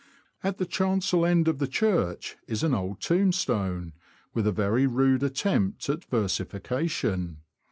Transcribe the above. At the chancel end of the church is an old tombstone, with a very rude attempt at versification.